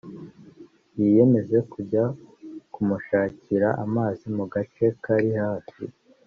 biyemeza kujya kumushakira amazi mu gace kari hafi